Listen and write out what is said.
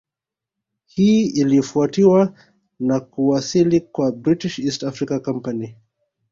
Hii ilifuatiwa na kuwasili kwa British East Africa Company